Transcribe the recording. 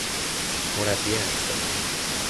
مربی اطفال